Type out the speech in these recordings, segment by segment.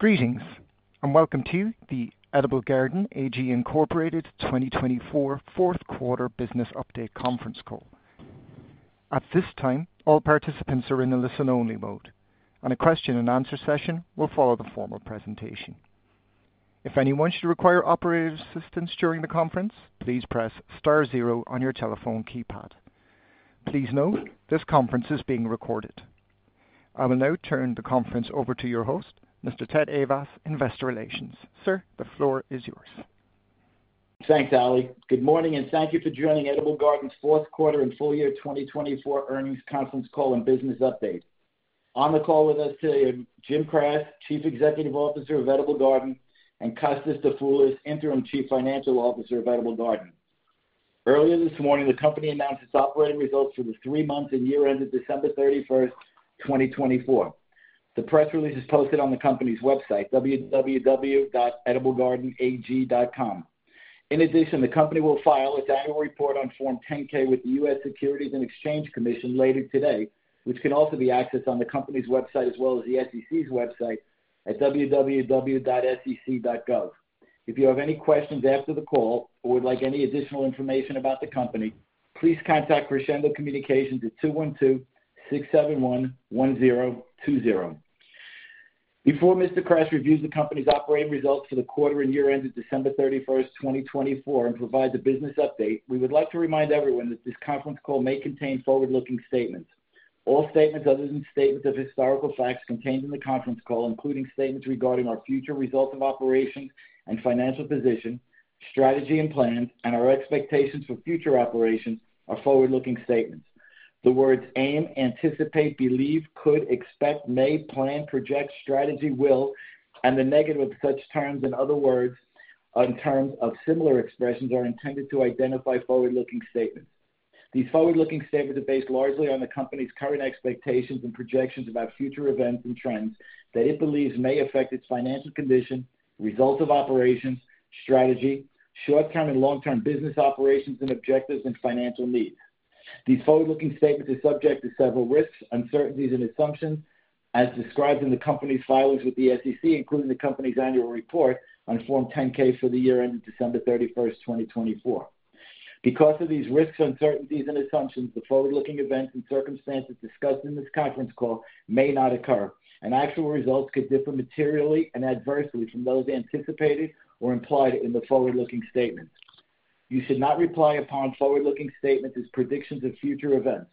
Greetings, and welcome to the Edible Garden AG Incorporated 2024 Fourth Quarter Business Update Conference Call. At this time, all participants are in a listen-only mode, and a question-and-answer session will follow the formal presentation. If anyone should require operator assistance during the conference, please press star zero on your telephone keypad. Please note, this conference is being recorded. I will now turn the conference over to your host, Mr. Ted Ayvas, Investor Relations. Sir, the floor is yours. Thanks, Ali. Good morning, and thank you for joining Edible Garden's Fourth Quarter and Full Year 2024 Earnings Conference Call and Business Update. On the call with us today are Jim Kras, Chief Executive Officer of Edible Garden, and Kostas Dafoulas, Interim Chief Financial Officer of Edible Garden. Earlier this morning, the company announced its operating results for the three months and year-end of December 31, 2024. The press release is posted on the company's website, www.ediblegardenag.com. In addition, the company will file its annual report on Form 10-K with the U.S. Securities and Exchange Commission later today, which can also be accessed on the company's website as well as the SEC's website at www.sec.gov. If you have any questions after the call or would like any additional information about the company, please contact Crescendo Communications at 212-671-1020. Before Mr. Kras reviews the company's operating results for the quarter and year-end of December 31, 2024, and provides a business update, we would like to remind everyone that this conference call may contain forward-looking statements. All statements other than statements of historical facts contained in the conference call, including statements regarding our future results of operations and financial position, strategy and plans, and our expectations for future operations, are forward-looking statements. The words aim, anticipate, believe, could, expect, may, plan, project, strategy, will, and the negative of such terms and other words and terms of similar expressions are intended to identify forward-looking statements. These forward-looking statements are based largely on the company's current expectations and projections about future events and trends that it believes may affect its financial condition, results of operations, strategy, short-term and long-term business operations and objectives, and financial needs. These forward-looking statements are subject to several risks, uncertainties, and assumptions, as described in the company's filings with the SEC, including the company's annual report on Form 10-K for the year-end of December 31, 2024. Because of these risks, uncertainties, and assumptions, the forward-looking events and circumstances discussed in this conference call may not occur, and actual results could differ materially and adversely from those anticipated or implied in the forward-looking statements. You should not rely upon forward-looking statements as predictions of future events.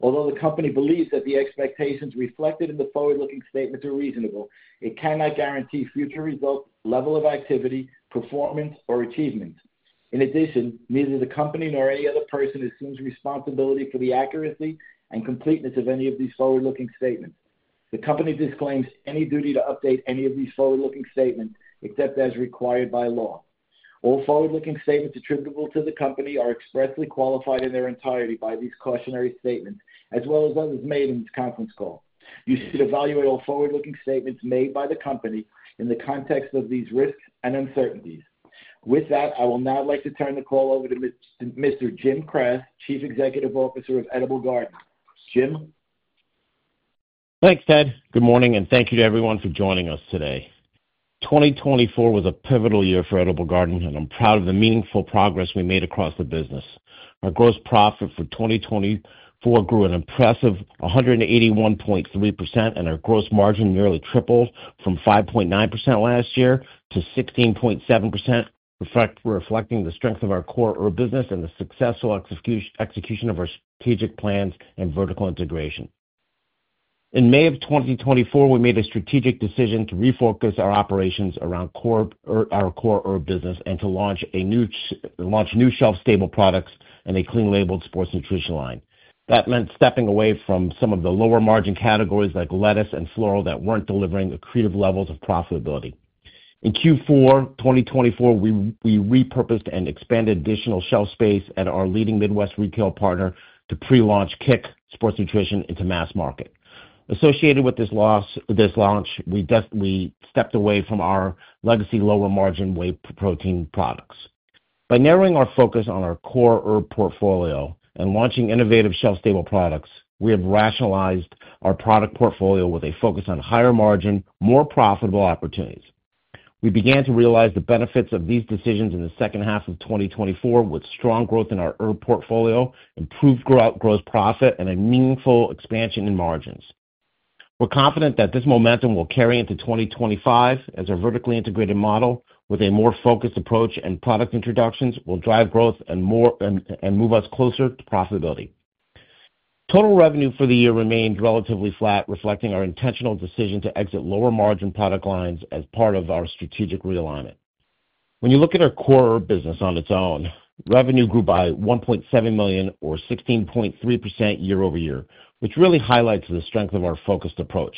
Although the company believes that the expectations reflected in the forward-looking statements are reasonable, it cannot guarantee future results, level of activity, performance, or achievements. In addition, neither the company nor any other person assumes responsibility for the accuracy and completeness of any of these forward-looking statements. The company disclaims any duty to update any of these forward-looking statements except as required by law. All forward-looking statements attributable to the company are expressly qualified in their entirety by these cautionary statements, as well as others made in this conference call. You should evaluate all forward-looking statements made by the company in the context of these risks and uncertainties. With that, I would now like to turn the call over to Mr. Jim Kras, Chief Executive Officer of Edible Garden. Jim. Thanks, Ted. Good morning, and thank you to everyone for joining us today. 2024 was a pivotal year for Edible Garden, and I'm proud of the meaningful progress we made across the business. Our gross profit for 2024 grew an impressive 181.3%, and our gross margin nearly tripled from 5.9% last year to 16.7%, reflecting the strength of our core business and the successful execution of our strategic plans and vertical integration. In May of 2024, we made a strategic decision to refocus our operations around our core business and to launch new shelf-stable products and a clean-labeled sports nutrition line. That meant stepping away from some of the lower-margin categories like lettuce and floral that were not delivering accretive levels of profitability. In Q4 2024, we repurposed and expanded additional shelf space at our leading Midwest retail partner to pre-launch Kick sports nutrition into mass market. Associated with this launch, we stepped away from our legacy lower-margin whey protein products. By narrowing our focus on our core herb portfolio and launching innovative shelf-stable products, we have rationalized our product portfolio with a focus on higher-margin, more profitable opportunities. We began to realize the benefits of these decisions in the second half of 2024, with strong growth in our herb portfolio, improved gross profit, and a meaningful expansion in margins. We're confident that this momentum will carry into 2025, as our vertically integrated model with a more focused approach and product introductions will drive growth and move us closer to profitability. Total revenue for the year remained relatively flat, reflecting our intentional decision to exit lower-margin product lines as part of our strategic realignment. When you look at our core business on its own, revenue grew by $1.7 million, or 16.3% year-over-year, which really highlights the strength of our focused approach.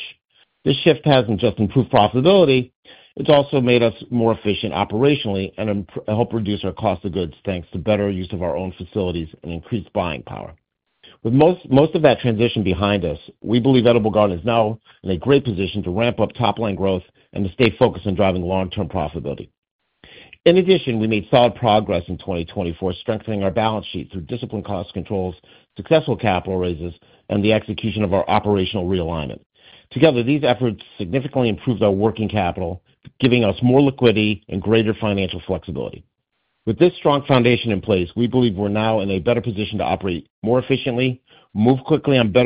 This shift has not just improved profitability, it has also made us more efficient operationally and helped reduce our cost of goods thanks to better use of our own facilities and increased buying power. With most of that transition behind us, we believe Edible Garden is now in a great position to ramp up top-line growth and to stay focused on driving long-term profitability. In addition, we made solid progress in 2024, strengthening our balance sheet through disciplined cost controls, successful capital raises, and the execution of our operational realignment. Together, these efforts significantly improved our working capital, giving us more liquidity and greater financial flexibility. With this strong foundation in place, we believe we're now in a better position to operate more efficiently, move quickly and to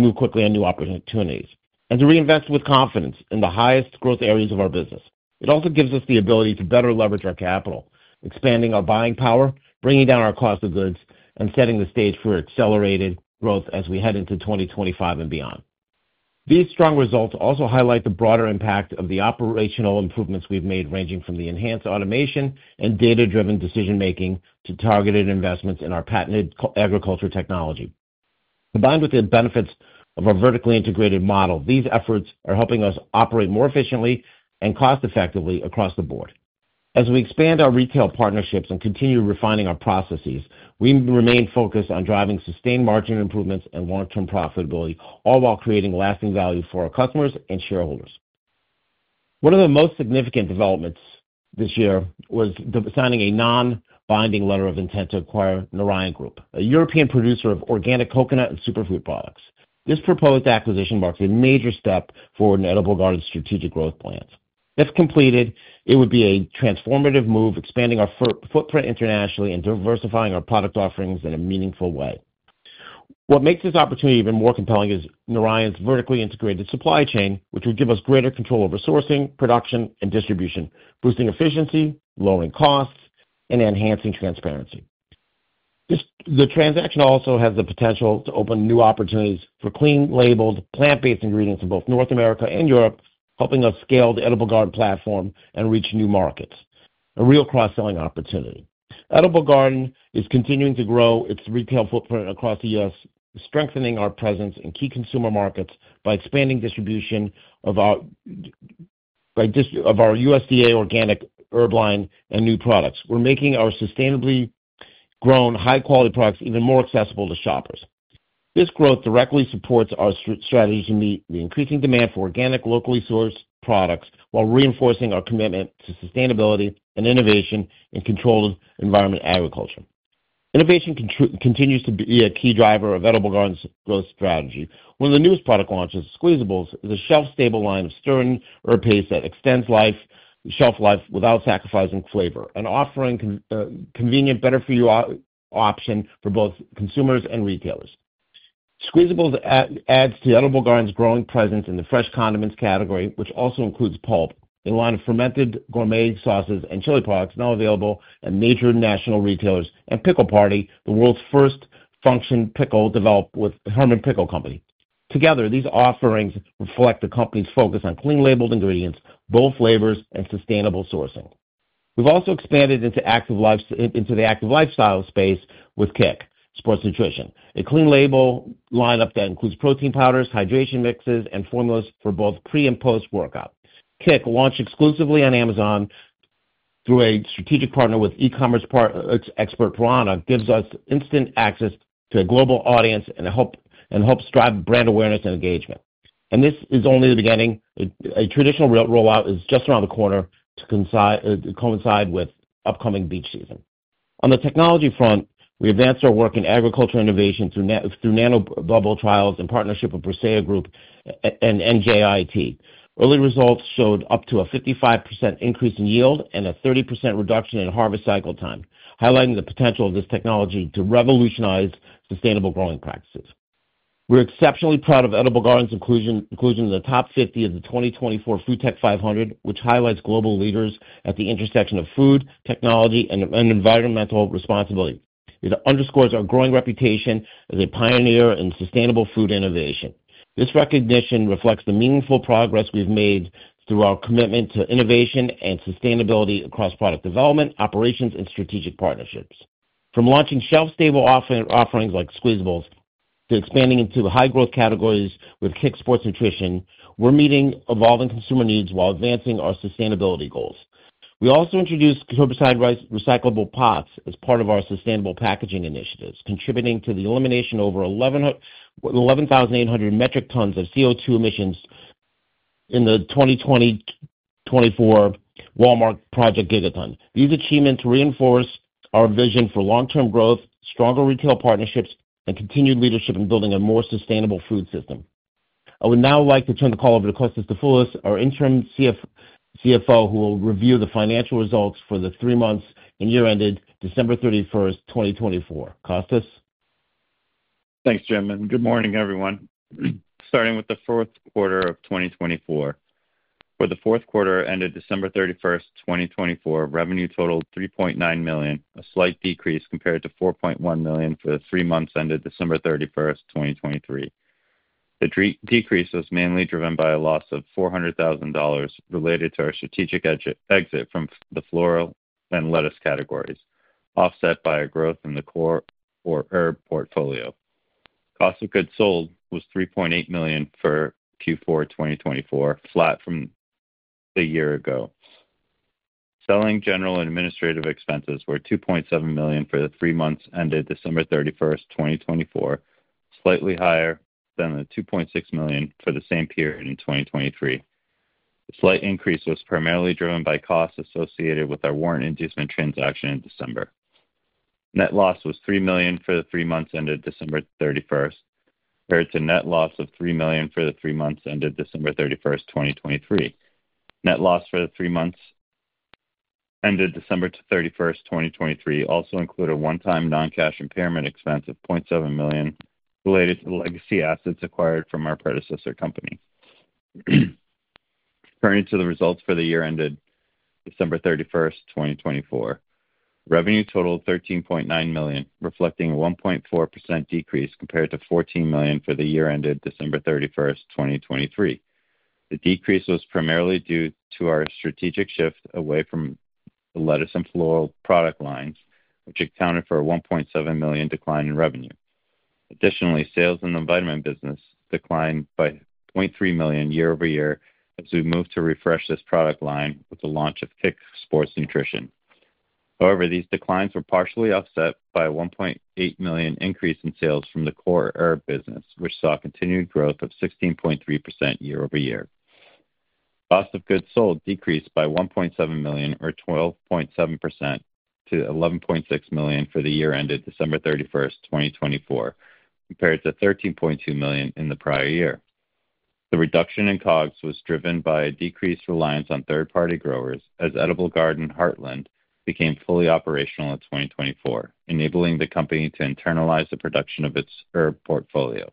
move quickly on new opportunities, and to reinvest with confidence in the highest growth areas of our business. It also gives us the ability to better leverage our capital, expanding our buying power, bringing down our cost of goods, and setting the stage for accelerated growth as we head into 2025 and beyond. These strong results also highlight the broader impact of the operational improvements we've made, ranging from the enhanced automation and data-driven decision-making to targeted investments in our patented agriculture technology. Combined with the benefits of our vertically integrated model, these efforts are helping us operate more efficiently and cost-effectively across the board. As we expand our retail partnerships and continue refining our processes, we remain focused on driving sustained margin improvements and long-term profitability, all while creating lasting value for our customers and shareholders. One of the most significant developments this year was signing a non-binding letter of intent to acquire Narayan Group, a European producer of organic coconut and superfood products. This proposed acquisition marks a major step forward in Edible Garden's strategic growth plans. If completed, it would be a transformative move, expanding our footprint internationally and diversifying our product offerings in a meaningful way. What makes this opportunity even more compelling is Narayan's vertically integrated supply chain, which would give us greater control over sourcing, production, and distribution, boosting efficiency, lowering costs, and enhancing transparency. The transaction also has the potential to open new opportunities for clean-labeled plant-based ingredients in both North America and Europe, helping us scale the Edible Garden platform and reach new markets. A real cross-selling opportunity. Edible Garden is continuing to grow its retail footprint across the U.S., strengthening our presence in key consumer markets by expanding distribution of our USDA organic herb line and new products. We're making our sustainably grown high-quality products even more accessible to shoppers. This growth directly supports our strategy to meet the increasing demand for organic locally sourced products while reinforcing our commitment to sustainability and innovation in controlled environment agriculture. Innovation continues to be a key driver of Edible Garden's growth strategy. One of the newest product launches, Squeezables, is a shelf-stable line of stirring herb paste that extends shelf life without sacrificing flavor, offering a convenient, better-for-you option for both consumers and retailers. Squeezables adds to Edible Garden's growing presence in the fresh condiments category, which also includes Pulp, a line of fermented gourmet sauces and chili products now available at major national retailers, and Pickle Party, the world's first functional pickle developed with Hermann Pickle Company. Together, these offerings reflect the company's focus on clean-labeled ingredients, bold flavors, and sustainable sourcing. We have also expanded into the active lifestyle space with Kick sports nutrition, a clean-label lineup that includes protein powders, hydration mixes, and formulas for both pre and post-workout. Kick, launched exclusively on Amazon through a strategic partner with e-commerce expert Verona, gives us instant access to a global audience and helps drive brand awareness and engagement. This is only the beginning. A traditional rollout is just around the corner to coincide with upcoming beach season. On the technology front, we advanced our work in agricultural innovation through nano bubble trials in partnership with Persea Group and NJIT. Early results showed up to a 55% increase in yield and a 30% reduction in harvest cycle time, highlighting the potential of this technology to revolutionize sustainable growing practices. We're exceptionally proud of Edible Garden's inclusion in the top 50 of the 2024 Food Tech 500, which highlights global leaders at the intersection of food, technology, and environmental responsibility. It underscores our growing reputation as a pioneer in sustainable food innovation. This recognition reflects the meaningful progress we've made through our commitment to innovation and sustainability across product development, operations, and strategic partnerships. From launching shelf-stable offerings like Squeezables to expanding into high-growth categories with Kick sports nutrition, we're meeting evolving consumer needs while advancing our sustainability goals. We also introduced curbside recyclable pots as part of our sustainable packaging initiatives, contributing to the elimination of over 11,800 metric tons of CO2 emissions in the 2024 Walmart Project Gigaton. These achievements reinforce our vision for long-term growth, stronger retail partnerships, and continued leadership in building a more sustainable food system. I would now like to turn the call over to Kostas Dafoulas, our Interim CFO, who will review the financial results for the three months and year-ended December 31, 2024. Kostas? Thanks, Jim. Good morning, everyone. Starting with the fourth quarter of 2024. For the fourth quarter ended December 31, 2024, revenue totaled $3.9 million, a slight decrease compared to $4.1 million for the three months ended December 31, 2023. The decrease was mainly driven by a loss of $400,000 related to our strategic exit from the floral and lettuce categories, offset by a growth in the core herb portfolio. Cost of goods sold was $3.8 million for Q4 2024, flat from a year ago. Selling, general, and administrative expenses were $2.7 million for the three months ended December 31, 2024, slightly higher than the $2.6 million for the same period in 2023. The slight increase was primarily driven by costs associated with our warrant inducement transaction in December. Net loss was $3 million for the three months ended December 31, compared to net loss of $3 million for the three months ended December 31, 2023. Net loss for the three months ended December 31, 2023, also included a one-time non-cash impairment expense of $0.7 million related to the legacy assets acquired from our predecessor company. Turning to the results for the year ended December 31, 2024, revenue totaled $13.9 million, reflecting a 1.4% decrease compared to $14 million for the year ended December 31, 2023. The decrease was primarily due to our strategic shift away from the lettuce and floral product lines, which accounted for a $1.7 million decline in revenue. Additionally, sales in the vitamin business declined by $0.3 million year-over-year as we moved to refresh this product line with the launch of Kick sports nutrition. However, these declines were partially offset by a $1.8 million increase in sales from the core herb business, which saw continued growth of 16.3% year-over-year. Cost of goods sold decreased by $1.7 million, or 12.7%, to $11.6 million for the year-ended December 31, 2024, compared to $13.2 million in the prior year. The reduction in COGS was driven by a decreased reliance on third-party growers as Edible Garden Heartland became fully operational in 2024, enabling the company to internalize the production of its herb portfolio.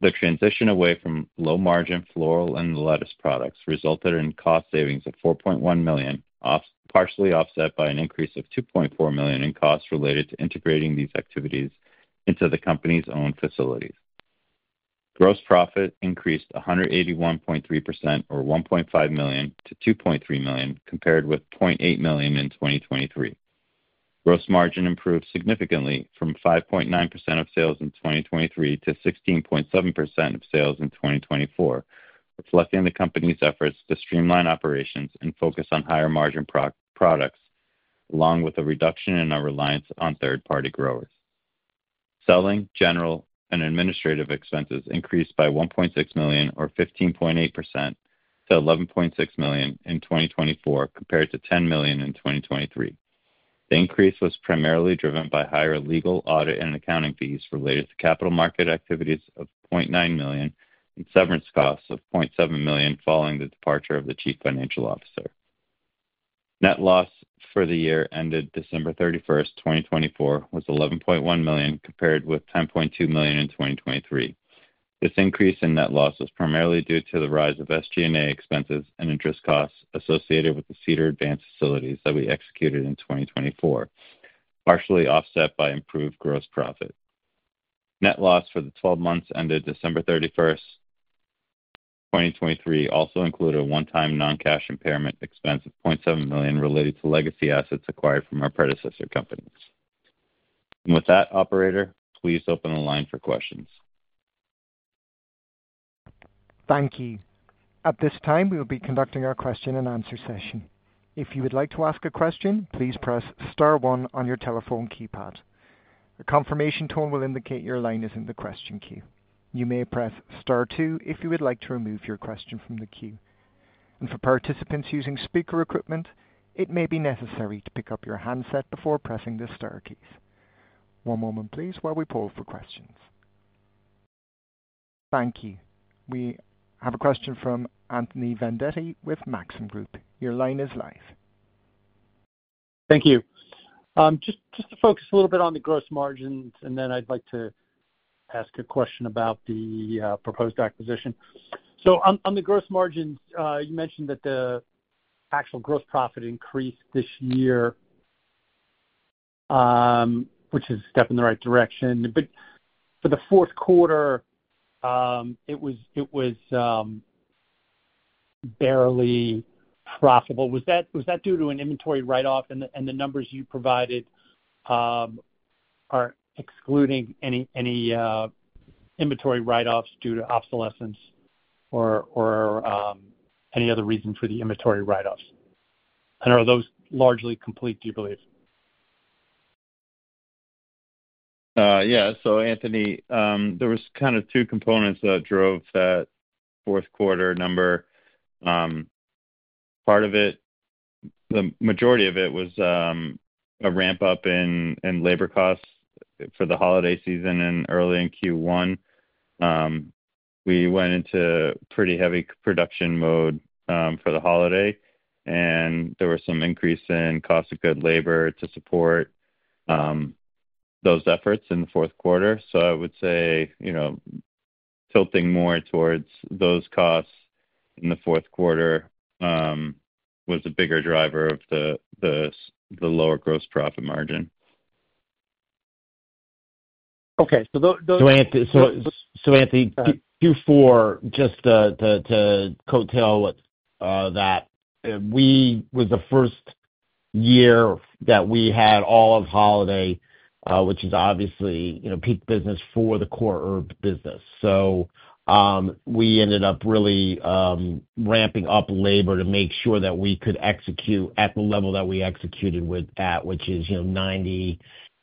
The transition away from low-margin floral and lettuce products resulted in cost savings of $4.1 million, partially offset by an increase of $2.4 million in costs related to integrating these activities into the company's own facilities. Gross profit increased 181.3%, or $1.5 million, to $2.3 million, compared with $0.8 million in 2023. Gross margin improved significantly from 5.9% of sales in 2023 to 16.7% of sales in 2024, reflecting the company's efforts to streamline operations and focus on higher-margin products, along with a reduction in our reliance on third-party growers. Selling, general, and administrative expenses increased by $1.6 million, or 15.8%, to $11.6 million in 2024, compared to $10 million in 2023. The increase was primarily driven by higher legal, audit, and accounting fees related to Capital Markets activities of $0.9 million and severance costs of $0.7 million following the departure of the Chief Financial Officer. Net loss for the year ended December 31, 2024, was $11.1 million, compared with $10.2 million in 2023. This increase in net loss was primarily due to the rise of SG&A expenses and interest costs associated with the Cedar Advance facilities that we executed in 2024, partially offset by improved gross profit. Net loss for the 12 months ended December 31, 2023, also included a one-time non-cash impairment expense of $0.7 million related to legacy assets acquired from our predecessor companies. Operator, please open the line for questions. Thank you. At this time, we will be conducting our question-and-answer session. If you would like to ask a question, please press Star one on your telephone keypad. A confirmation tone will indicate your line is in the question queue. You may press Star two if you would like to remove your question from the queue. For participants using speaker equipment, it may be necessary to pick up your handset before pressing the Star keys. One moment, please, while we poll for questions. Thank you. We have a question from Anthony Vendetti with Maxim Group. Your line is live. Thank you. Just to focus a little bit on the gross margins, and then I'd like to ask a question about the proposed acquisition. On the gross margins, you mentioned that the actual gross profit increased this year, which is a step in the right direction. For the fourth quarter, it was barely profitable. Was that due to an inventory write-off? The numbers you provided are excluding any inventory write-offs due to obsolescence or any other reason for the inventory write-offs. Are those largely complete, do you believe? Yeah. Anthony, there were kind of two components that drove that fourth quarter number. Part of it, the majority of it, was a ramp-up in labor costs for the holiday season and early in Q1. We went into pretty heavy production mode for the holiday, and there was some increase in cost of good labor to support those efforts in the fourth quarter. I would say tilting more towards those costs in the fourth quarter was a bigger driver of the lower gross profit margin. Okay. So those. Anthony, Q4, just to coattail that, it was the first year that we had all of holiday, which is obviously peak business for the core herb business. We ended up really ramping up labor to make sure that we could execute at the level that we executed at, which is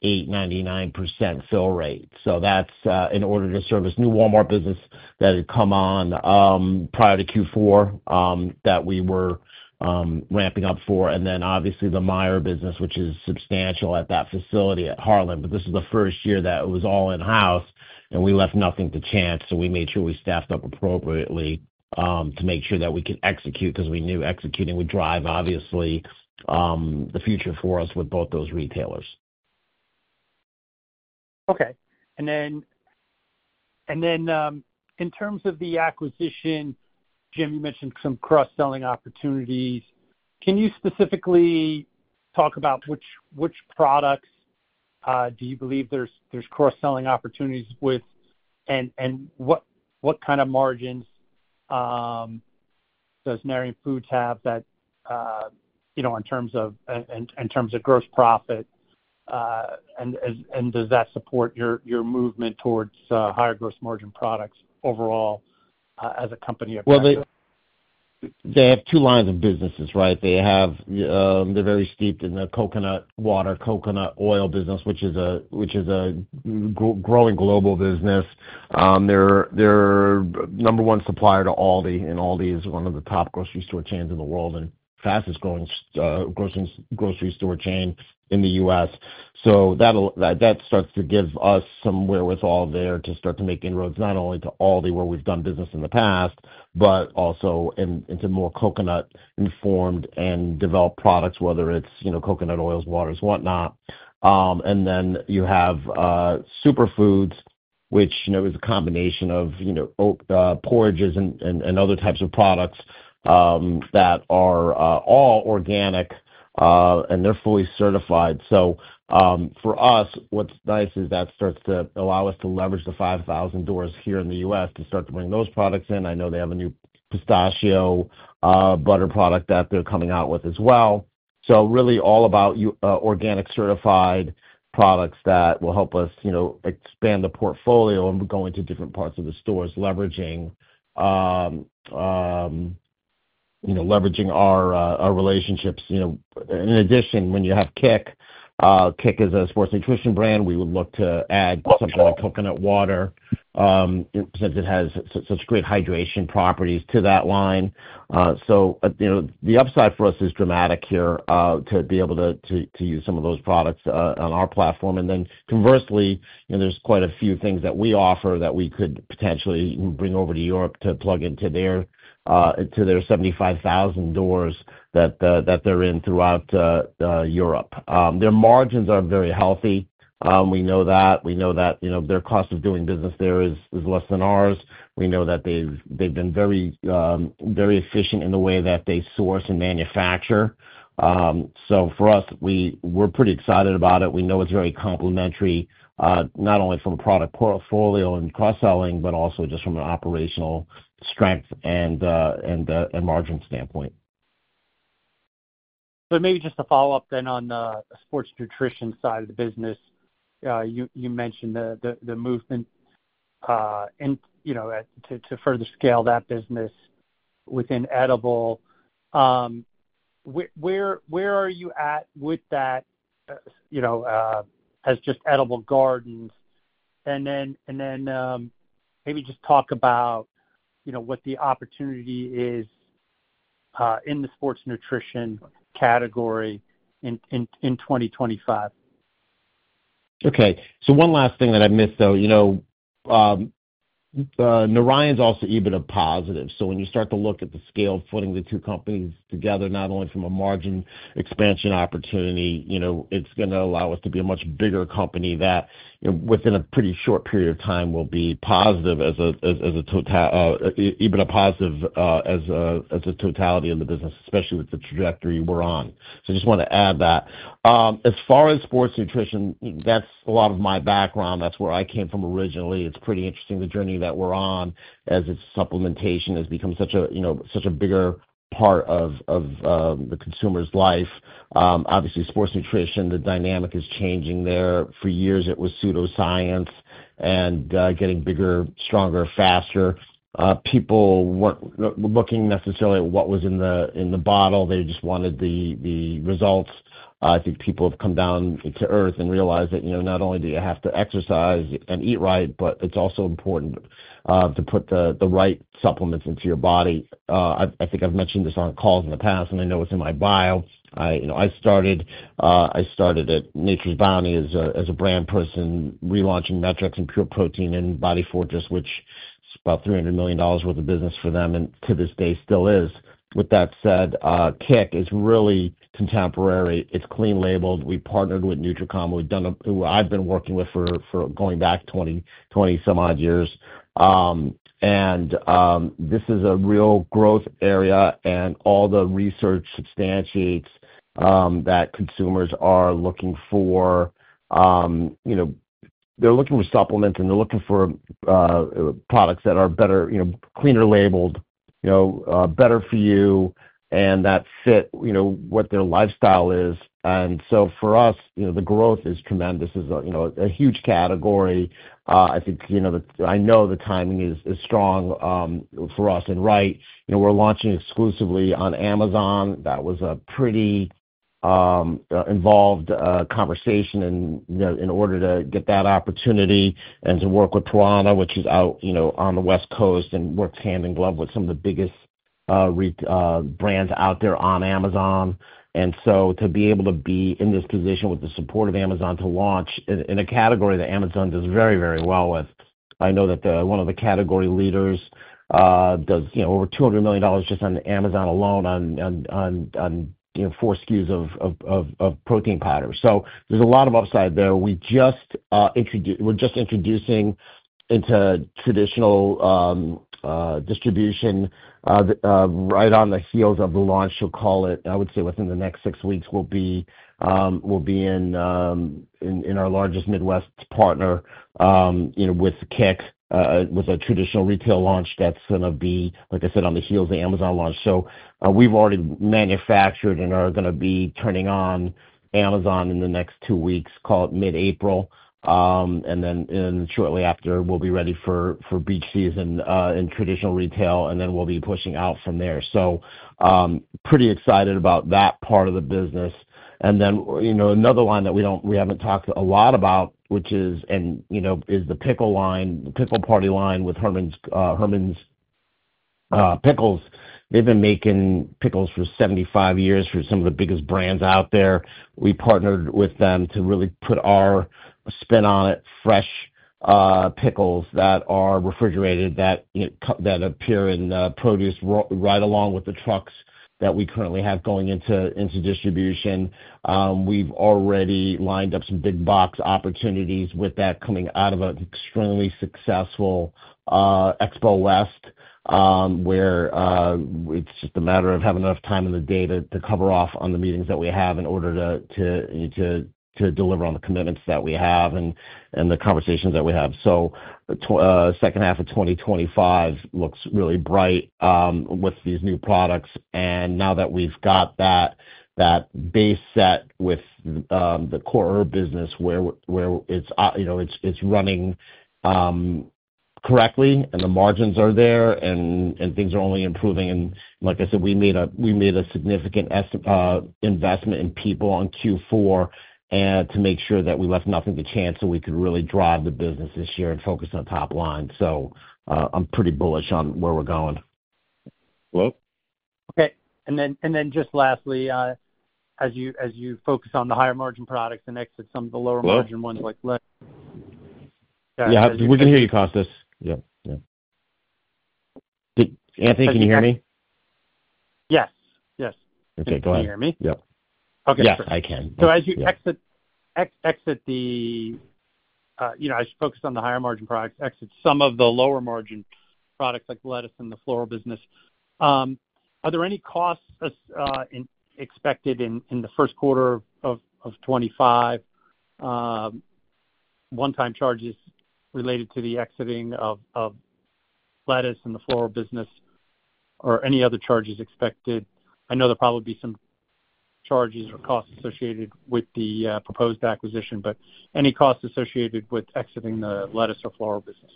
98-99% fill rate. That is in order to service new Walmart business that had come on prior to Q4 that we were ramping up for. Obviously, the Meijer business, which is substantial at that facility at Harlan. This is the first year that it was all in-house, and we left nothing to chance. We made sure we staffed up appropriately to make sure that we could execute because we knew executing would drive, obviously, the future for us with both those retailers. Okay. In terms of the acquisition, Jim, you mentioned some cross-selling opportunities. Can you specifically talk about which products you believe there are cross-selling opportunities with, and what kind of margins does Narayan Group have in terms of gross profit? Does that support your movement towards higher gross margin products overall as a company? They have two lines of businesses, right? They're very steeped in the coconut water, coconut oil business, which is a growing global business. They're number one supplier to Aldi, and Aldi is one of the top grocery store chains in the world and fastest-growing grocery store chain in the U.S. That starts to give us some wherewithal there to start to make inroads not only to Aldi, where we've done business in the past, but also into more coconut-informed and developed products, whether it's coconut oils, waters, whatnot. You have Superfoods, which is a combination of porridges and other types of products that are all organic, and they're fully certified. For us, what's nice is that starts to allow us to leverage the 5,000 doors here in the U.S. to start to bring those products in. I know they have a new pistachio butter product that they're coming out with as well. Really all about organic-certified products that will help us expand the portfolio and go into different parts of the stores, leveraging our relationships. In addition, when you have Kick, Kick is a sports nutrition brand. We would look to add something like coconut water since it has such great hydration properties to that line. The upside for us is dramatic here to be able to use some of those products on our platform. Conversely, there's quite a few things that we offer that we could potentially bring over to Europe to plug into their 75,000 doors that they're in throughout Europe. Their margins are very healthy. We know that. We know that their cost of doing business there is less than ours. We know that they've been very efficient in the way that they source and manufacture. For us, we're pretty excited about it. We know it's very complementary, not only from a product portfolio and cross-selling, but also just from an operational strength and margin standpoint. Maybe just to follow up then on the sports nutrition side of the business, you mentioned the movement to further scale that business within Edible. Where are you at with that as just Edible Garden? Maybe just talk about what the opportunity is in the sports nutrition category in 2025. Okay. One last thing that I missed, though. Narayan's also even a positive. When you start to look at the scale of putting the two companies together, not only from a margin expansion opportunity, it's going to allow us to be a much bigger company that, within a pretty short period of time, will be EBITDA positive as a total, EBITDA positive as a totality in the business, especially with the trajectory we're on. I just want to add that. As far as sports nutrition, that's a lot of my background. That's where I came from originally. It's pretty interesting, the journey that we're on as its supplementation has become such a bigger part of the consumer's life. Obviously, sports nutrition, the dynamic is changing there. For years, it was pseudoscience and getting bigger, stronger, faster. People weren't looking necessarily at what was in the bottle. They just wanted the results. I think people have come down to earth and realized that not only do you have to exercise and eat right, but it's also important to put the right supplements into your body. I think I've mentioned this on calls in the past, and I know it's in my bio. I started at Nature's Bounty as a brand person, relaunching MET-Rx and Pure Protein and Body Fortress, which is about $300 million worth of business for them and to this day still is. With that said, Kick is really contemporary. It's clean labeled. We partnered with Nutricom, who I've been working with for going back 20-some-odd years. This is a real growth area, and all the research substantiates that consumers are looking for. They're looking for supplements, and they're looking for products that are better, cleaner labeled, better for you, and that fit what their lifestyle is. For us, the growth is tremendous. It's a huge category. I think I know the timing is strong for us and right. We're launching exclusively on Amazon. That was a pretty involved conversation in order to get that opportunity and to work with Piranha, which is out on the West Coast and works hand in glove with some of the biggest brands out there on Amazon. To be able to be in this position with the support of Amazon to launch in a category that Amazon does very, very well with. I know that one of the category leaders does over $200 million just on Amazon alone on four SKUs of protein powders. There's a lot of upside there. We're just introducing into traditional distribution right on the heels of the launch, you'll call it. I would say within the next six weeks, we'll be in our largest Midwest partner with Kick, with a traditional retail launch that's going to be, like I said, on the heels of Amazon launch. We've already manufactured and are going to be turning on Amazon in the next two weeks, call it mid-April. Shortly after, we'll be ready for beach season in traditional retail, and then we'll be pushing out from there. Pretty excited about that part of the business. Another line that we haven't talked a lot about, which is the pickle line, the Pickle Party line with Hermann Pickle Company. They've been making pickles for 75 years for some of the biggest brands out there. We partnered with them to really put our spin on it, fresh pickles that are refrigerated that appear in produce right along with the trucks that we currently have going into distribution. We've already lined up some big box opportunities with that coming out of an extremely successful Expo West, where it's just a matter of having enough time in the day to cover off on the meetings that we have in order to deliver on the commitments that we have and the conversations that we have. The second half of 2025 looks really bright with these new products. Now that we've got that base set with the core herb business, where it's running correctly and the margins are there and things are only improving. Like I said, we made a significant investment in people in Q4 to make sure that we left nothing to chance so we could really drive the business this year and focus on top line. I'm pretty bullish on where we're going. Okay. And then just lastly, as you focus on the higher margin products and exit some of the lower margin ones like lettuce. Yeah. We can hear you, Kostas. Yeah. Yeah. Anthony, can you hear me? Yes. Yes. Okay. Go ahead. Can you hear me? Yep. Okay. Yes. I can. As you focus on the higher margin products, exit some of the lower margin products like lettuce and the floral business, are there any costs expected in the first quarter of 2025, one-time charges related to the exiting of lettuce and the floral business, or any other charges expected? I know there will probably be some charges or costs associated with the proposed acquisition, but any costs associated with exiting the lettuce or floral business?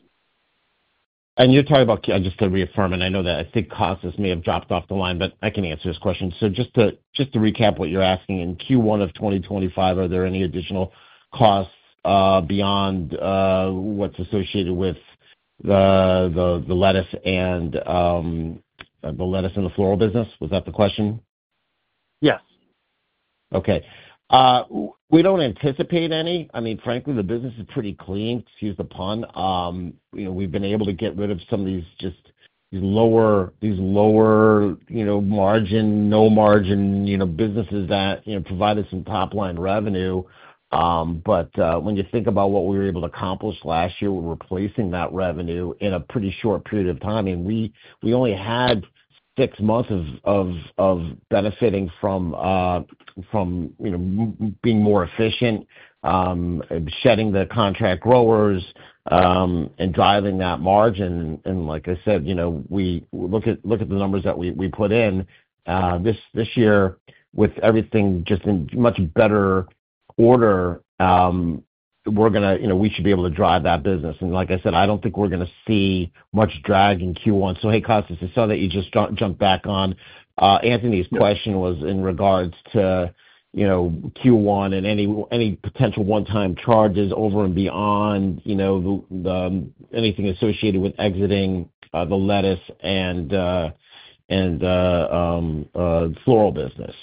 Just to reaffirm, and I know that I think Kostas may have dropped off the line, but I can answer this question. Just to recap what you're asking, in Q1 of 2025, are there any additional costs beyond what's associated with the lettuce and the floral business? Was that the question? Yes. Okay. We do not anticipate any. I mean, frankly, the business is pretty clean, to use the pun. We have been able to get rid of some of these just lower margin, no margin businesses that provided some top-line revenue. But when you think about what we were able to accomplish last year with replacing that revenue in a pretty short period of time, I mean, we only had six months of benefiting from being more efficient, shedding the contract growers, and driving that margin. Like I said, look at the numbers that we put in. This year, with everything just in much better order, we are going to we should be able to drive that business. Like I said, I do not think we are going to see much drag in Q1. Hey, Kostas, I saw that you just jumped back on. Anthony's question was in regards to Q1 and any potential one-time charges over and beyond anything associated with exiting the lettuce and the floral business.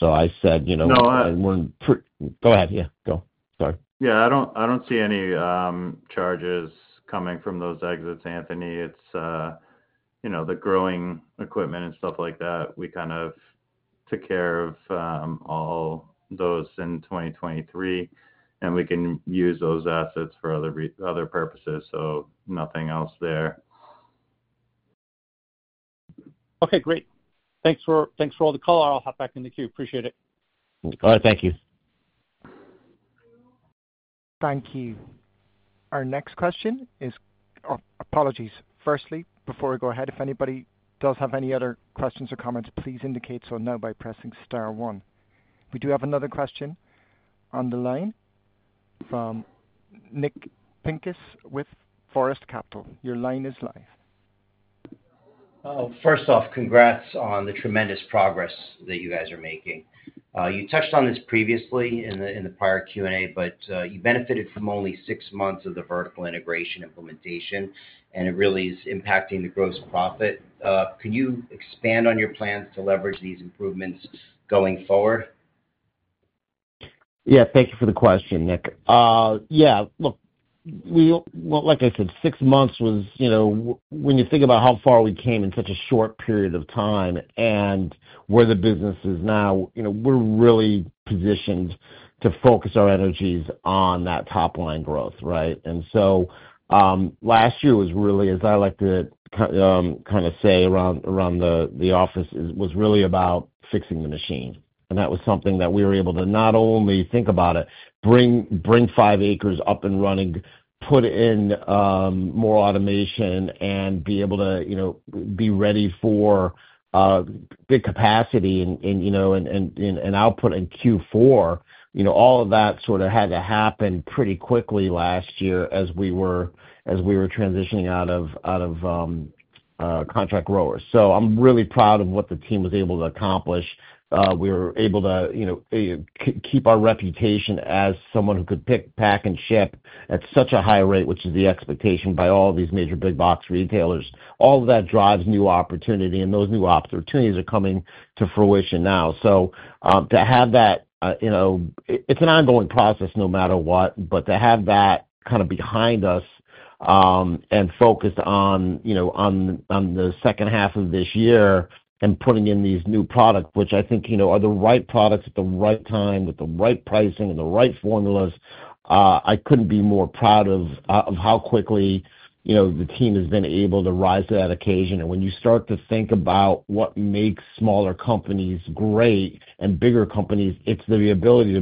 I said. No. I'm. Go ahead. Yeah. Go. Sorry. Yeah. I don't see any charges coming from those exits, Anthony. It's the growing equipment and stuff like that. We kind of took care of all those in 2023, and we can use those assets for other purposes. Nothing else there. Okay. Great. Thanks for all the call. I'll hop back in the queue. Appreciate it. All right. Thank you. Thank you. Our next question is apologies. Firstly, before we go ahead, if anybody does have any other questions or comments, please indicate so now by pressing star one. We do have another question on the line from Nick Pincus with Forest Capital. Your line is live. First off, congrats on the tremendous progress that you guys are making. You touched on this previously in the prior Q&A, but you benefited from only six months of the vertical integration implementation, and it really is impacting the gross profit. Can you expand on your plans to leverage these improvements going forward? Yeah. Thank you for the question, Nick. Yeah. Look, like I said, six months was when you think about how far we came in such a short period of time and where the business is now, we're really positioned to focus our energies on that top-line growth, right? Last year was really, as I like to kind of say around the office, was really about fixing the machine. That was something that we were able to not only think about it, bring five acres up and running, put in more automation, and be able to be ready for big capacity and output in Q4. All of that sort of had to happen pretty quickly last year as we were transitioning out of contract growers. I'm really proud of what the team was able to accomplish. We were able to keep our reputation as someone who could pick, pack, and ship at such a high rate, which is the expectation by all these major big box retailers. All of that drives new opportunity, and those new opportunities are coming to fruition now. To have that, it's an ongoing process no matter what, but to have that kind of behind us and focused on the second half of this year and putting in these new products, which I think are the right products at the right time with the right pricing and the right formulas, I couldn't be more proud of how quickly the team has been able to rise to that occasion. When you start to think about what makes smaller companies great and bigger companies, it's the ability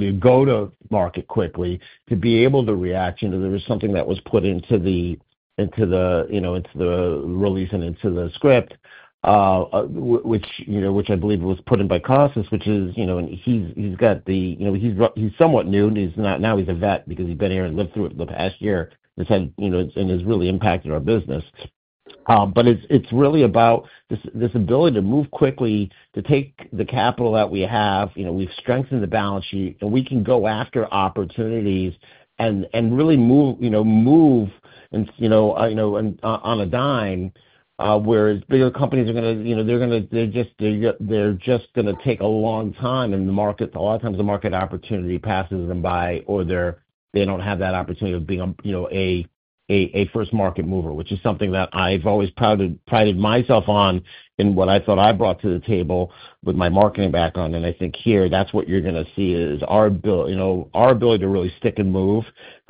to go to market quickly, to be able to react to there was something that was put into the release and into the script, which I believe was put in by Kostas, which is he's got the he's somewhat new. Now he's a vet because he's been here and lived through it the past year and has really impacted our business. It's really about this ability to move quickly, to take the capital that we have. We've strengthened the balance sheet, and we can go after opportunities and really move on a dime, whereas bigger companies are going to they're just going to take a long time in the market. A lot of times, the market opportunity passes them by, or they don't have that opportunity of being a first market mover, which is something that I've always prided myself on and what I thought I brought to the table with my marketing background. I think here, that's what you're going to see is our ability to really stick and move,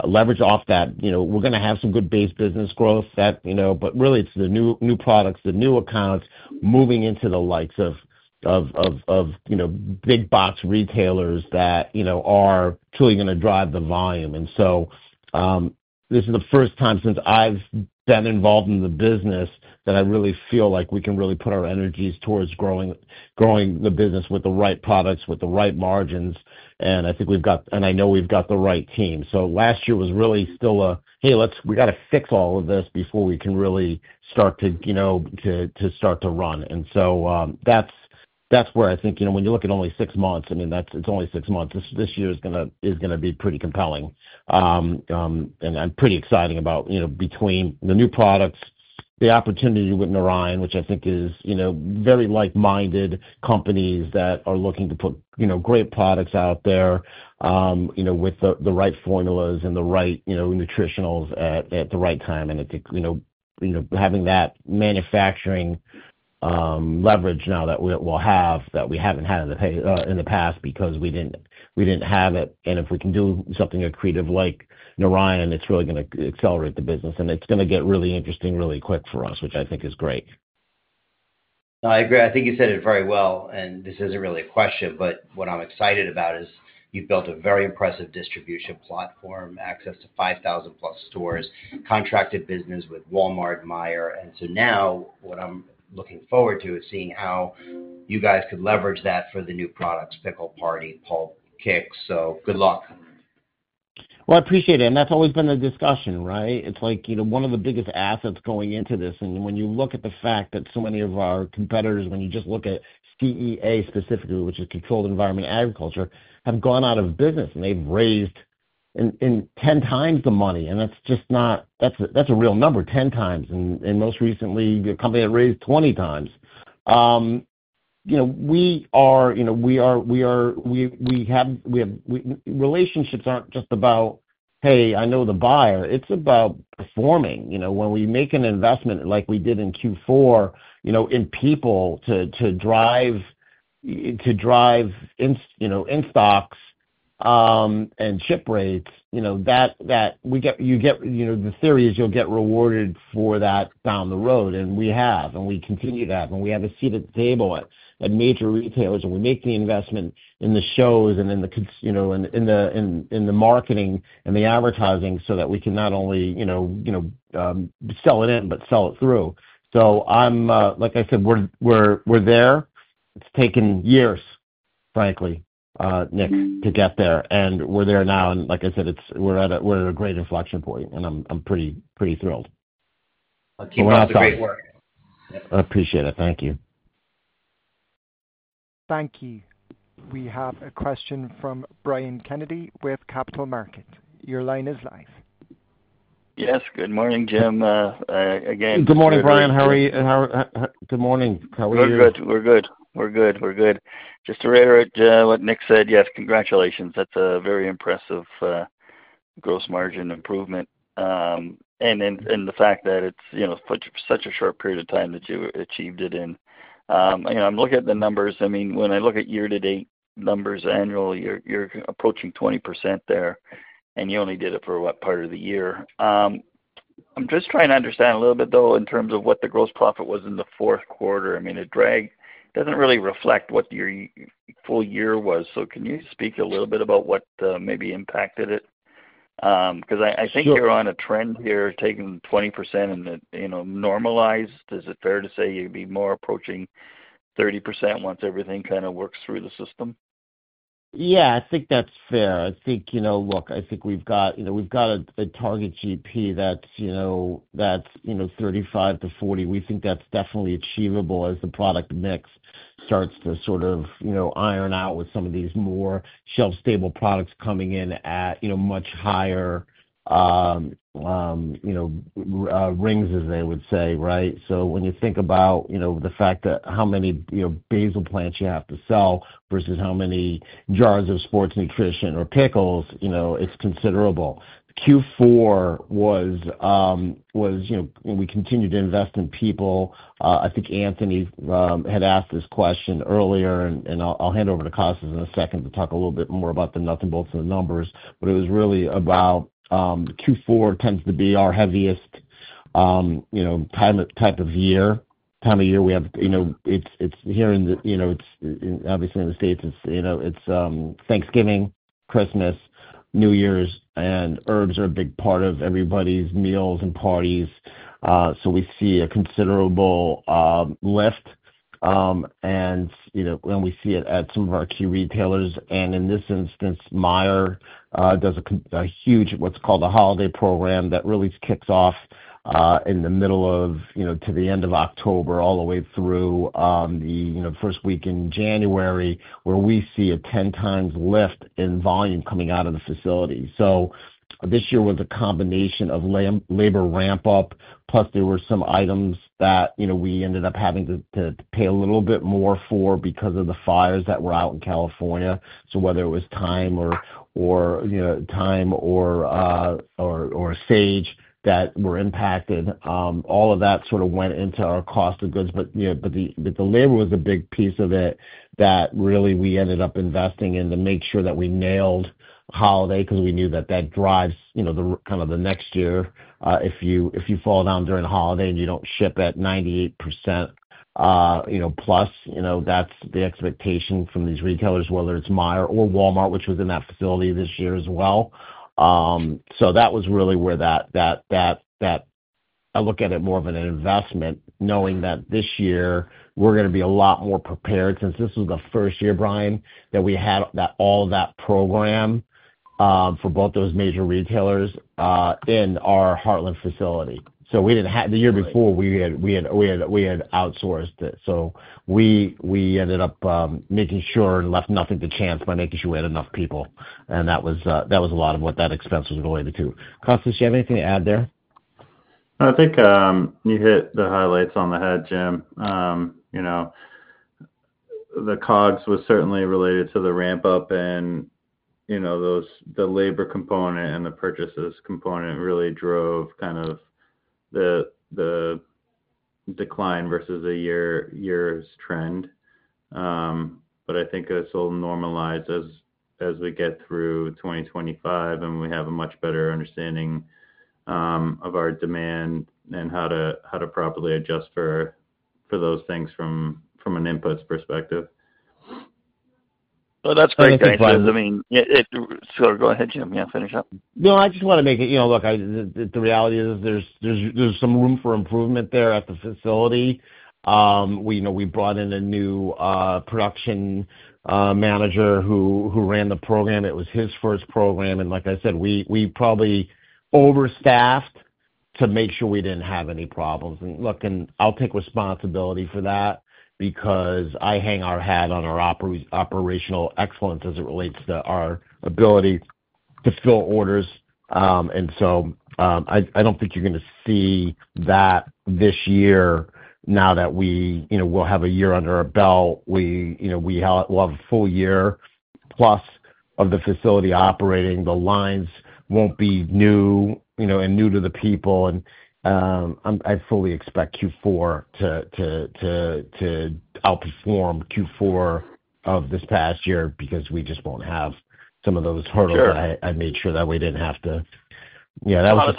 leverage off that. We're going to have some good base business growth, but really, it's the new products, the new accounts moving into the likes of big box retailers that are truly going to drive the volume. This is the first time since I've been involved in the business that I really feel like we can really put our energies towards growing the business with the right products, with the right margins. I think we've got and I know we've got the right team. Last year was really still a, "Hey, we got to fix all of this before we can really start to start to run." That's where I think when you look at only six months, I mean, it's only six months. This year is going to be pretty compelling. I'm pretty excited about between the new products, the opportunity with Narayan, which I think is very like-minded companies that are looking to put great products out there with the right formulas and the right nutritionals at the right time. I think having that manufacturing leverage now that we'll have that we haven't had in the past because we didn't have it. If we can do something creative like Narayan, it's really going to accelerate the business. It's going to get really interesting really quick for us, which I think is great. No, I agree. I think you said it very well. This is not really a question, but what I am excited about is you have built a very impressive distribution platform, access to 5,000-plus stores, contracted business with Walmart, Meijer. What I am looking forward to is seeing how you guys could leverage that for the new products, Pickle Party, Pulp, Kick. Good luck. I appreciate it. That's always been the discussion, right? It's like one of the biggest assets going into this. When you look at the fact that so many of our competitors, when you just look at CEA specifically, which is Controlled Environment Agriculture, have gone out of business and they've raised 10 times the money. That's just not—that's a real number, 10 times. Most recently, a company that raised 20 times. We have relationships that aren't just about, "Hey, I know the buyer." It's about performing. When we make an investment like we did in Q4 in people to drive in stocks and chip rates, the theory is you'll get rewarded for that down the road. We have, and we continue to have. We have a seat at the table at major retailers. We make the investment in the shows and in the marketing and the advertising so that we can not only sell it in, but sell it through. Like I said, we're there. It's taken years, frankly, Nick, to get there. We're there now. Like I said, we're at a great inflection point, and I'm pretty thrilled. Keep up the great work. I appreciate it. Thank you. Thank you. We have a question from Brian Kennedy with Capital Markets. Your line is live. Yes. Good morning, Jim. Again. Good morning, Brian. Good morning. How are you? We're good. We're good. We're good. Just to reiterate what Nick said, yes, congratulations. That's a very impressive gross margin improvement. The fact that it's such a short period of time that you achieved it in. I'm looking at the numbers. I mean, when I look at year-to-date numbers, annual, you're approaching 20% there, and you only did it for what part of the year? I'm just trying to understand a little bit, though, in terms of what the gross profit was in the fourth quarter. I mean, it doesn't really reflect what your full year was. Can you speak a little bit about what maybe impacted it? Because I think you're on a trend here, taking 20% and normalized. Is it fair to say you'd be more approaching 30% once everything kind of works through the system? Yeah. I think that's fair. I think, look, I think we've got a target GP that's 35%-40%. We think that's definitely achievable as the product mix starts to sort of iron out with some of these more shelf-stable products coming in at much higher rings, as they would say, right? When you think about the fact that how many basil plants you have to sell versus how many jars of sports nutrition or pickles, it's considerable. Q4 was we continued to invest in people. I think Anthony had asked this question earlier, and I'll hand over to Kostas in a second to talk a little bit more about the nuts and bolts of the numbers. It was really about Q4 tends to be our heaviest type of year, time of year we have. It's here in the, obviously, in the States, it's Thanksgiving, Christmas, New Year's, and herbs are a big part of everybody's meals and parties. We see a considerable lift. We see it at some of our key retailers. In this instance, Meijer does a huge, what's called a holiday program that really kicks off in the middle of to the end of October, all the way through the first week in January, where we see a 10-times lift in volume coming out of the facility. This year was a combination of labor ramp-up, plus there were some items that we ended up having to pay a little bit more for because of the fires that were out in California. Whether it was thyme or thyme or sage that were impacted, all of that sort of went into our cost of goods. The labor was a big piece of it that really we ended up investing in to make sure that we nailed holiday because we knew that that drives kind of the next year. If you fall down during the holiday and you don't ship at 98% plus, that's the expectation from these retailers, whether it's Meijer or Walmart, which was in that facility this year as well. That was really where I look at it more of an investment, knowing that this year we're going to be a lot more prepared since this was the first year, Brian, that we had all that program for both those major retailers in our Heartland facility. The year before, we had outsourced it. We ended up making sure and left nothing to chance by making sure we had enough people. That was a lot of what that expense was related to. Kostas, do you have anything to add there? I think you hit the highlights on the head, Jim. The COGS was certainly related to the ramp-up and the labor component and the purchases component really drove kind of the decline versus a year's trend. I think it'll normalize as we get through 2025, and we have a much better understanding of our demand and how to properly adjust for those things from an inputs perspective. Oh, that's great insight. I mean, sorry, go ahead, Jim. You want to finish up? No, I just want to make it, look, the reality is there's some room for improvement there at the facility. We brought in a new production manager who ran the program. It was his first program. Like I said, we probably overstaffed to make sure we didn't have any problems. Look, I'll take responsibility for that because I hang our hat on our operational excellence as it relates to our ability to fill orders. I don't think you're going to see that this year now that we will have a year under our belt. We'll have a full year plus of the facility operating. The lines won't be new and new to the people. I fully expect Q4 to outperform Q4 of this past year because we just won't have some of those hurdles. I made sure that we didn't have to. Yeah, that was just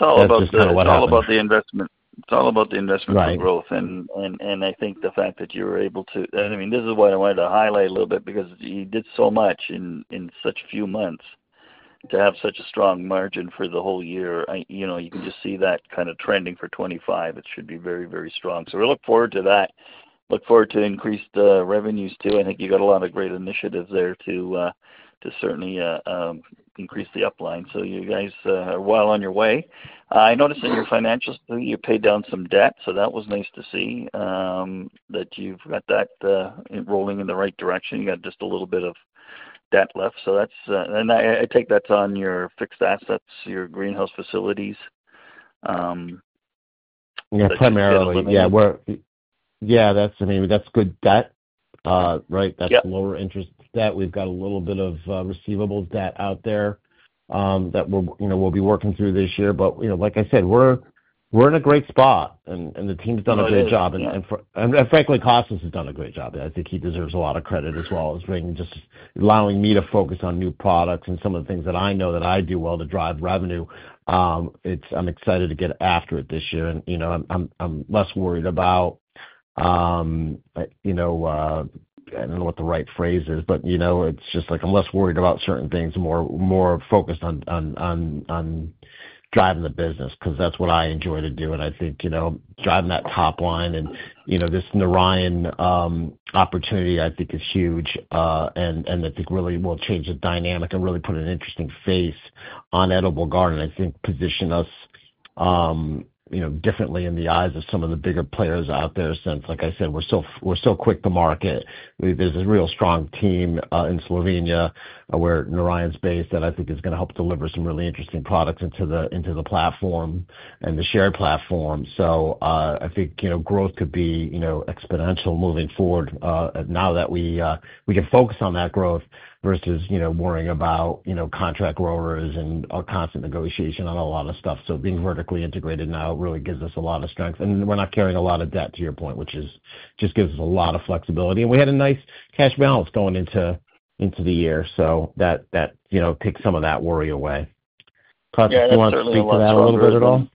kind of what happened. It's all about the investment. It's all about the investment growth. I think the fact that you were able to, and I mean, this is why I wanted to highlight a little bit because you did so much in such few months to have such a strong margin for the whole year. You can just see that kind of trending for 2025. It should be very, very strong. We look forward to that. Look forward to increased revenues too. I think you got a lot of great initiatives there to certainly increase the upline. You guys are well on your way. I noticed in your financials that you paid down some debt. That was nice to see that you've got that rolling in the right direction. You got just a little bit of debt left. I take that's on your fixed assets, your greenhouse facilities. Yeah, primarily. Yeah. Yeah, I mean, that's good debt, right? That's lower-interest debt. We've got a little bit of receivables debt out there that we'll be working through this year. Like I said, we're in a great spot, and the team's done a great job. Frankly, Kostas has done a great job. I think he deserves a lot of credit as well as just allowing me to focus on new products and some of the things that I know that I do well to drive revenue. I'm excited to get after it this year. I'm less worried about, I don't know what the right phrase is, but it's just like I'm less worried about certain things, more focused on driving the business because that's what I enjoy to do. I think driving that top line and this Narayan opportunity, I think, is huge. I think it really will change the dynamic and really put an interesting face on Edible Garden. I think it positions us differently in the eyes of some of the bigger players out there since, like I said, we're so quick to market. There's a real strong team in Slovenia where Narayan's based that I think is going to help deliver some really interesting products into the platform and the shared platform. I think growth could be exponential moving forward now that we can focus on that growth versus worrying about contract growers and constant negotiation on a lot of stuff. Being vertically integrated now really gives us a lot of strength. We're not carrying a lot of debt, to your point, which just gives us a lot of flexibility. We had a nice cash balance going into the year. That takes some of that worry away. Kostas, do you want to speak to that a little bit at all?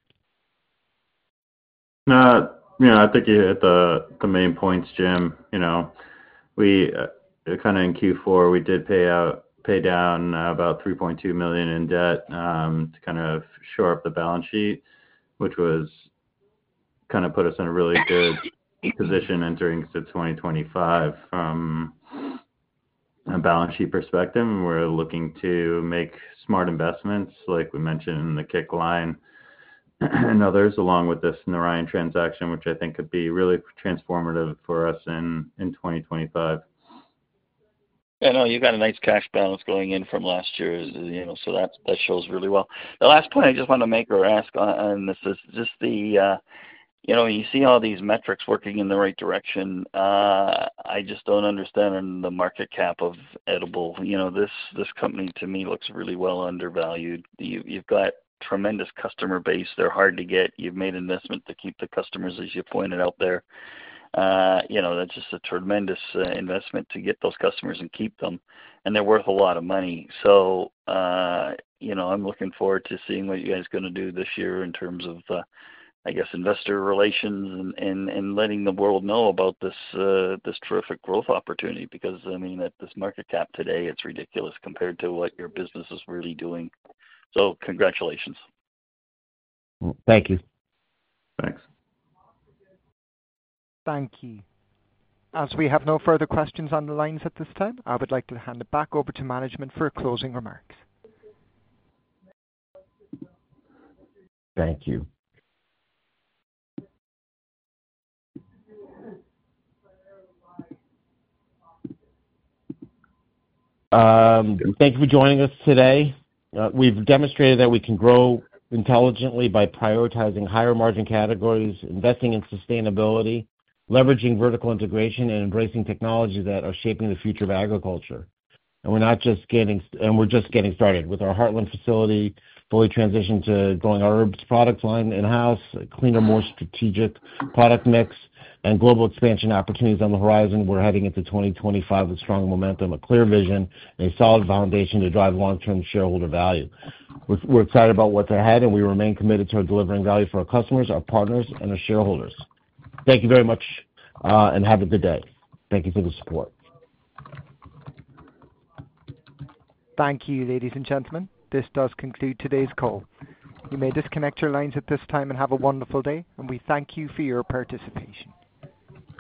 Yeah. I think you hit the main points, Jim. Kind of in Q4, we did pay down about $3.2 million in debt to kind of shore up the balance sheet, which was kind of put us in a really good position entering into 2025 from a balance sheet perspective. We're looking to make smart investments, like we mentioned in the Kick line and others, along with this Narayan transaction, which I think could be really transformative for us in 2025. Yeah. No, you've got a nice cash balance going in from last year. That shows really well. The last point I just want to make or ask, and this is just the when you see all these metrics working in the right direction, I just don't understand the market cap of Edible. This company, to me, looks really well undervalued. You've got tremendous customer base. They're hard to get. You've made investments to keep the customers, as you pointed out there. That's just a tremendous investment to get those customers and keep them. They're worth a lot of money. I'm looking forward to seeing what you guys are going to do this year in terms of, I guess, investor relations and letting the world know about this terrific growth opportunity because, I mean, at this market cap today, it's ridiculous compared to what your business is really doing. Congratulations. Thank you. Thanks. Thank you. As we have no further questions on the lines at this time, I would like to hand it back over to management for closing remarks. Thank you. Thank you for joining us today. We've demonstrated that we can grow intelligently by prioritizing higher margin categories, investing in sustainability, leveraging vertical integration, and embracing technologies that are shaping the future of agriculture. We're just getting started. With our Heartland facility fully transitioned to growing our herbs product line in-house, a cleaner, more strategic product mix, and global expansion opportunities on the horizon, we're heading into 2025 with strong momentum, a clear vision, and a solid foundation to drive long-term shareholder value. We're excited about what's ahead, and we remain committed to delivering value for our customers, our partners, and our shareholders. Thank you very much, and have a good day. Thank you for the support. Thank you, ladies and gentlemen. This does conclude today's call. You may disconnect your lines at this time and have a wonderful day. We thank you for your participation.